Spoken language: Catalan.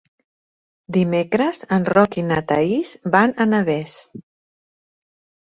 Dimecres en Roc i na Thaís van a Navès.